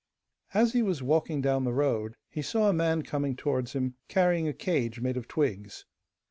As he was walking down the road, he saw a man coming towards him, carrying a cage made of twigs.